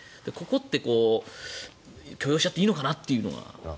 ここって許容しちゃっていいのかなというのは。